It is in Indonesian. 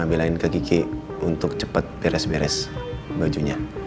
bilangin ke kiki untuk cepet beres beres bajunya